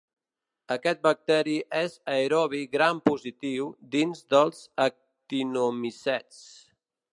Aquest bacteri és aerobi gram-positiu dins dels actinomicets.